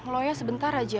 lo ya sebentar aja